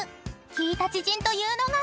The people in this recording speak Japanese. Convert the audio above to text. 聞いた知人というのが］